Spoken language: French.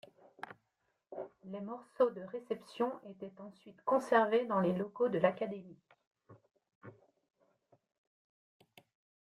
Les morceaux de réception étaient ensuite conservés dans les locaux de l'Académie.